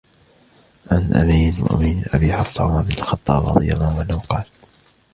عن أميرِ المؤمنينَ أبي حفصٍ عمرَ بنِ الخطَّابِ رَضِي اللهُ عَنْهُ قال: